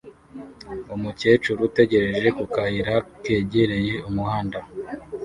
Umukecuru utegereje ku kayira kegereye umuhanda